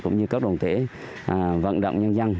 cũng như các đồn thể vận động nhân dân